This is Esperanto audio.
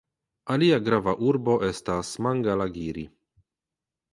Alia grava urbo estas Mangalagiri.